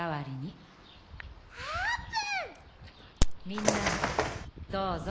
みんなもどうぞ。